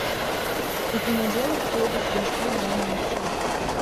У панядзелак пройдуць яшчэ два матчы.